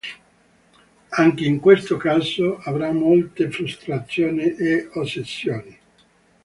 Anche in questo caso avrà molte frustrazioni e ossessioni.